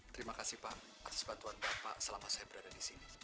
terima kasih pak atas bantuan bapak selama saya berada di sini